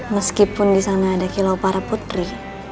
meskipun disana ada kilau para putri